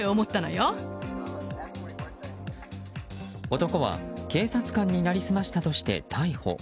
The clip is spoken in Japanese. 男は警察官に成り済ましたとして逮捕。